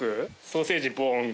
ソーセージぼん。